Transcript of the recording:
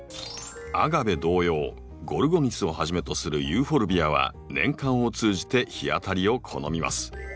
アガベ同様ゴルゴニスをはじめとするユーフォルビアは年間を通じて日当たりを好みます。